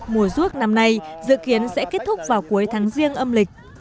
mùa ruốc năm nay dự kiến sẽ kết thúc vào cuối tháng riêng âm lịch